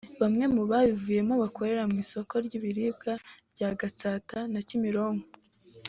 Bamwe mu babuvuyemo bakorera mu isoko ry’ibiribwa rya Gatsata na Kimironko